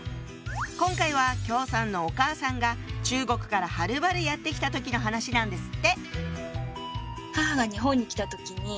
今回は姜さんのお母さんが中国からはるばるやって来た時の話なんですって。